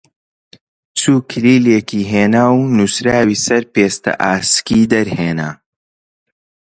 چوو کلیلێکی هێنا و نووسراوی سەر پێستە ئاسکی دەرێنان